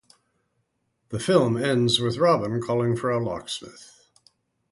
The film ends with Robin calling for a locksmith.